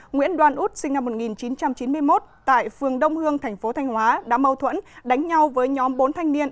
nguyễn đoan út sinh năm một nghìn chín trăm chín mươi một tại phường đông hương thành phố thanh hóa đã mâu thuẫn đánh nhau với nhóm bốn thanh niên